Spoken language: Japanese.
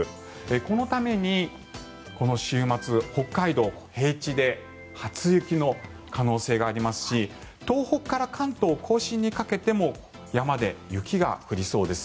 このためにこの週末、北海道平地で初雪の可能性がありますし東北から関東・甲信にかけても山で雪が降りそうです。